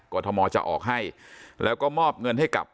ทมจะออกให้แล้วก็มอบเงินให้กับ